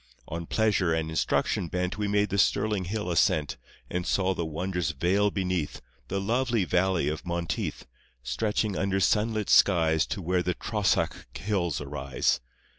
On pleasure and instruction bent We made the Stirling hill ascent, And saw the wondrous vale beneath, The lovely valley of Monteith, Stretching under sunlit skies To where the Trossach hills arise.